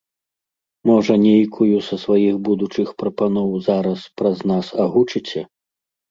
Можа, нейкую са сваіх будучых прапаноў зараз праз нас агучыце?